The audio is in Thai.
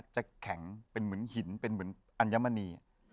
จะแข็งเป็นเหมือนหินเป็นเหมือนอัญมณี